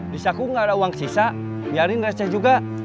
di syakir enggak ada uang sisa biarin nggak seceh juga